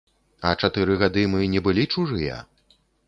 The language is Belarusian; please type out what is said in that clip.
А чатыры гады мы не былі чужыя?